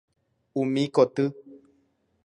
Umi koty.